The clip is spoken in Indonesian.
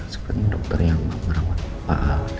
sekarang dokter yang merawat pak al